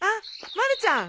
まるちゃん。